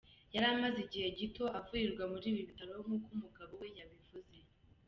Yari amaze igihe gito avurirwa muri ibi bitaro nk’uko umugabo we yabivuze.